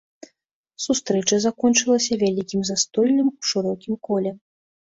Сустрэча закончылася вялікім застоллем у шырокім коле.